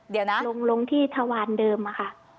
เดี๋ยวนะลงที่ทวารเดิมอะค่ะ